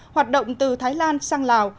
hoạt động từ thái lan sang lào